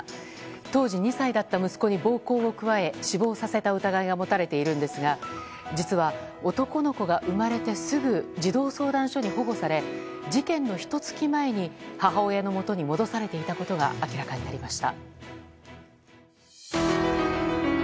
当時２歳だった息子に暴行を加え死亡させた疑いが持たれているんですが実は男の子が生まれてすぐ児童相談所に保護され事件のひと月前に母親のもとに戻されていたことが明らかになりました。